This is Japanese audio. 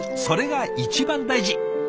それが一番大事。